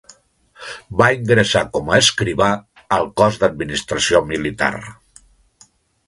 Va ingressar com a escrivà al Cos d'Administració Militar.